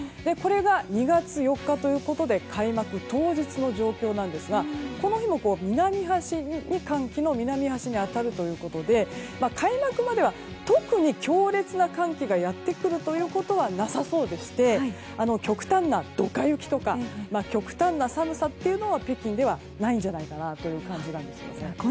これが２月４日ということで開幕当日の状況ですがこの日も寒気の南端に当たるということで開幕までは特に強烈な寒気がやってくることはなさそうでして極端なドカ雪とか極端な寒さというのは北京ではないんじゃないかなという感じなんですね。